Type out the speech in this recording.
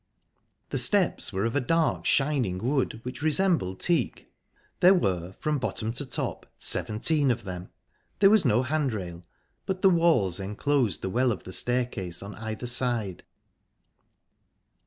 The steps were of a dark, shining wood, which resembled teak; there were, from bottom to top, seventeen of them. There was no handrail, but the walls enclosed the well of the staircase on either side.